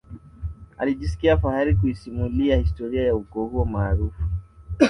alijisikia fahari kuisimulia historia ya ukoo huo maarufu